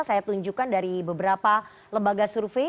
saya tunjukkan dari beberapa lembaga survei